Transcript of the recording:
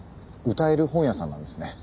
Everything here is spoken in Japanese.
歌える本屋さんなんですね。